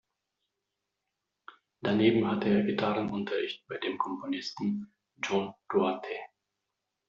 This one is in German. Daneben hatte er Gitarrenunterricht bei dem Komponisten John Duarte.